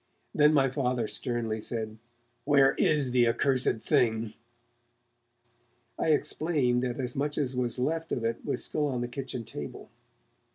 Then my Father sternly said: 'Where is the accursed thing?' I explained that as much as was left of it was still on the kitchen table.